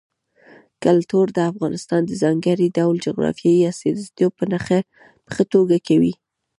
کلتور د افغانستان د ځانګړي ډول جغرافیې استازیتوب په ښه توګه کوي.